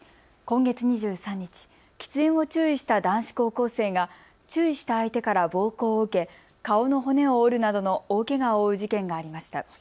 今月２３日、喫煙を注意した男子高校生が注意した相手から暴行を受け顔の骨を折るなどの大けがを負う事件がありました。